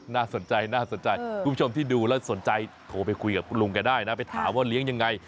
น่าสนใจน่าสนใจคุณผู้ชมที่ดูแล้วสนใจโทรไปคุยกับคุณลุงแกได้นะไปถามว่าเลี้ยงยังไง